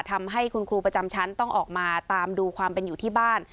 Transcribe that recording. ทำให้คุณครูประจำชั้นต้องออกมาตามดูความเป็นอยู่ที่บ้าน